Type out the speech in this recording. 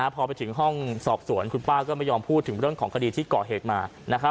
พอไปถึงห้องสอบสวนคุณป้าก็ไม่ยอมพูดถึงเรื่องของคดีที่ก่อเหตุมา